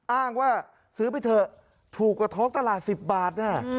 อ้างว่าซื้อไปเถอะถูกกว่าท้องตลาด๑๐บาทนะ